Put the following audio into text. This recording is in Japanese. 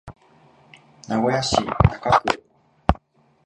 名古屋市中区